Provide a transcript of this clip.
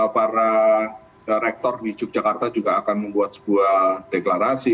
para rektor di yogyakarta juga akan membuat sebuah deklarasi